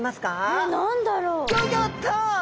えっ何だろう？